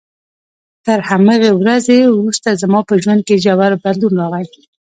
تر همغې ورځې وروسته زما په ژوند کې ژور بدلون راغی.